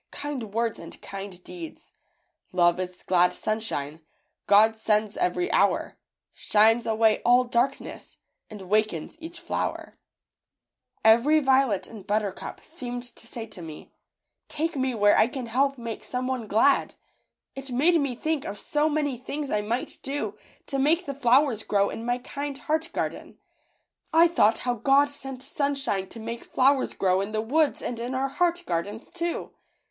Kind words and kind deeds. Love is glad sunshine, God sends every hour ; Shines away all darkness, And wakens each flower.' 88 FLOWER FAIRIES. ^^Every violet and buttercup seemed to say to me, ^Take me where I can help make some one glad/ It made me think of so many things I might do to make the flowers grow in my kind heart garden. I thought how God sent sunshine to make flowers grow in the woods and in our heart gardens, too.